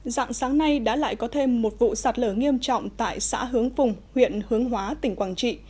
dạng sáng nay đã lại có thêm một vụ sạt lở nghiêm trọng tại xã hướng phùng huyện hướng hóa tỉnh quảng trị